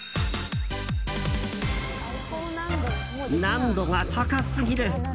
難度が高すぎる。